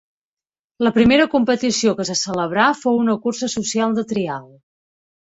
La primera competició que se celebrà fou una cursa social de trial.